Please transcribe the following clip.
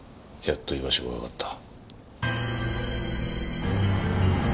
やっと居場所がわかった。